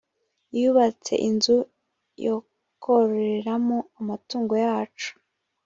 yubatse inzu yokororeramo amatungo yacu.